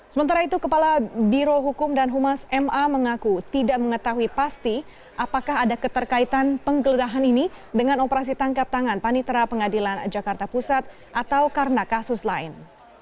sementara itu kepala biro hukum dan humas ma mengaku tidak mengetahui pasti apakah ada keterkaitan penggeledahan ini dengan operasi tangkap tangan panitera pengadilan jakarta pusat atau karena kasus lain